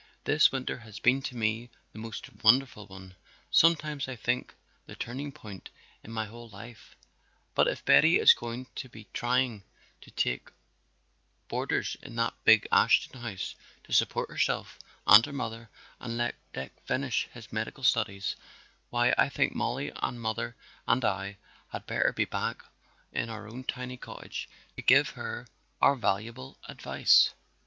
"This winter has been to me the most wonderful one, sometimes I think the turning point in my whole life, but if Betty is going to be trying to take boarders in that big Ashton house to support herself and her mother and let Dick finish his medical studies, why I think Mollie and mother and I had better be back in our own tiny cottage to give her our valuable advice."